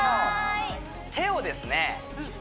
手をですね